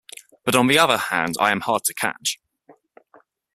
But on the other hand I am hard to catch.